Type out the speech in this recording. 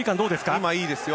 今、いいですよ。